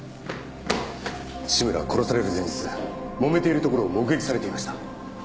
志村は殺される前日もめているところを目撃されていました。